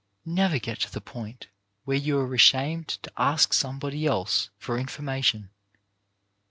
Never get to the point where you are ashamed to ask somebody else for imformation.